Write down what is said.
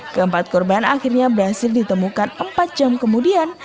keempat korban akhirnya berhasil ditemukan empat jam kemudian